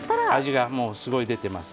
味がもうすごい出てます。